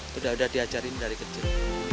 sudah sudah diajarin dari kecil